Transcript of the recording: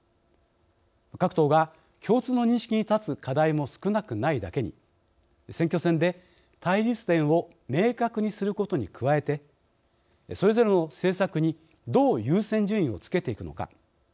各党が共通の認識に立つ課題も少なくないだけに選挙戦で対立点を明確にすることに加えてそれぞれの政策にどう優先順位をつけていくのか。